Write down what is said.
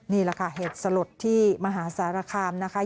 นี่แหละค่ะเหตุสลดที่มหาสารคามนะคะ